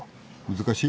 難しい？